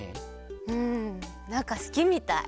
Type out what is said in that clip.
うんなんかすきみたい！